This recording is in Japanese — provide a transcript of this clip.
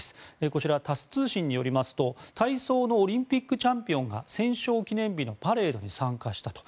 こちら、タス通信によりますと体操のオリンピックチャンピオンが戦勝記念日のパレードに参加したと。